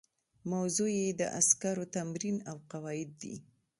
موضوع یې د عسکرو تمرین او قواعد دي.